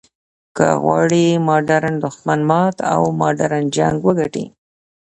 که غواړې ماډرن دښمن مات او ماډرن جنګ وګټې.